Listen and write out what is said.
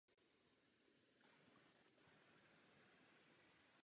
Samotný dům pak do základů vyhořel.